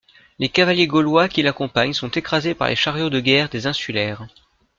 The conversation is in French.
Les cavaliers gaulois qui l'accompagnent sont écrasés par les chariots de guerre des insulaires.